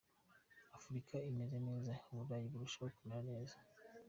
Afurika imeze neza u Burayi bwarushaho kumera neza.